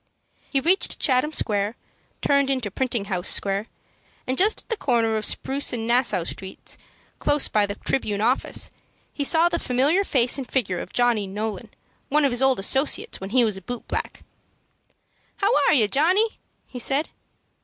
He reached Chatham Square, turned into Printing House Square, and just at the corner of Spruce and Nassau Streets, close by the Tribune Office, he saw the familiar face and figure of Johnny Nolan, one of his old associates when he was a boot black. "How are you, Johnny?" he said.